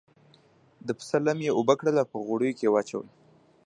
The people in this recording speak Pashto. د پسه لم یې اوبه کړل او په غوړیو کې یې واچول.